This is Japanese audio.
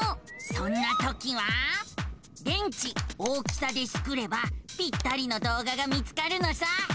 そんなときは「電池大きさ」でスクればぴったりの動画が見つかるのさ。